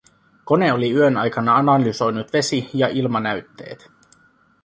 Kone oli yön aikana analysoinut vesi- ja ilmanäytteet.